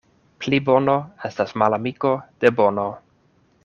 Plibono estas malamiko de bono.